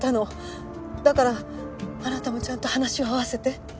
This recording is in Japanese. だからあなたもちゃんと話を合わせて。